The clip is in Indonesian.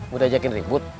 mudah aja kan ribut